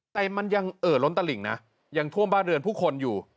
แต่มันยังเอ่อล้นตลิ่งนะยังท่วมบ้านเรือนผู้คนอยู่